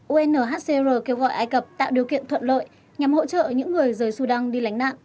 unhcr kêu gọi ai cập tạo điều kiện thuận lợi nhằm hỗ trợ những người rời sudan